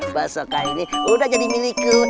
mbak soka ini udah jadi milikku